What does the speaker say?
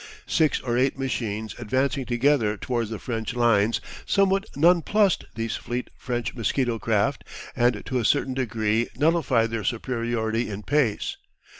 Six or eight machines advancing together towards the French lines somewhat nonplussed these fleet French mosquito craft, and to a certain degree nullified their superiority in pace.